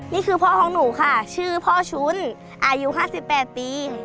นี่คือพ่อของหนูค่ะชื่อพ่อชุ้นอายุ๕๘ปี